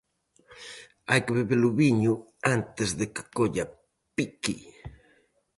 Hai que beber o viño antes de que colla pique.